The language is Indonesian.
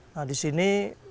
nah di sini